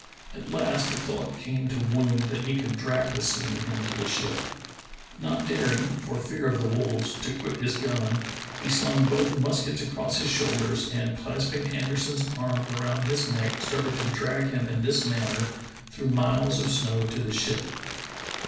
At last the thought came to Woon that he could drag the seaman in to the ship. Not dar ing, for fear of the wolves, to quit his gun, he slung both muskets across his shoulders, and clasping Anderson's arms around his neck started to drag him in this manner How Woon Won Promotion 115 through miles of snow to the ship.